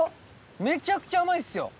めちゃくちゃ甘いですよ。